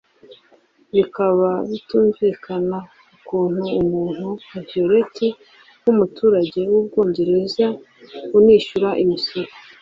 Bikaba bitumvikana ukuntu umuntu nka Violette w’umuturage w’Ubwongereza unishyura imisoro